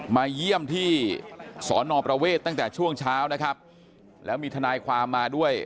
มาเยี่ยมที่สอนอประเวทตั้งแต่ช่วงเช้านะครับแล้วมีทนายความมาด้วย